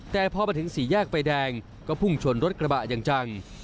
แต่พอมาถึงสี่แยกไฟแดงก็พุ่งชนรถกระบะอย่างจัง